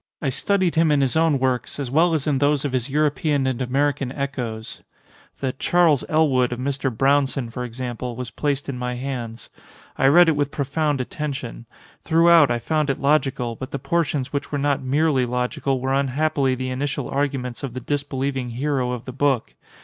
I studied him in his own works as well as in those of his European and American echoes. The 'Charles Elwood' of Mr. Brownson, for example, was placed in my hands. I read it with profound attention. Throughout I found it logical, but the portions which were not merely logical were unhappily the initial arguments of the disbelieving hero of the book.